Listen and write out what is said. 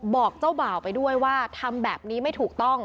บอกเจ้าบ่าวไปด้วยว่าทำแบบนี้ไม่ถูกต้อง